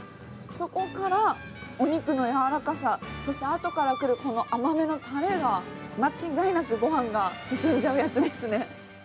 そこからお肉の柔らかさ、そしてあとから来る、この甘めのたれが、間違いなく、ごはんが進んじゃうやつですね。